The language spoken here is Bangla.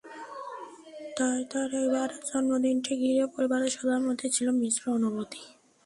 তাই তাঁর এবারের জন্মদিনটি ঘিরে পরিবারে সবার মধ্যেই ছিল মিশ্র অনুভূতি।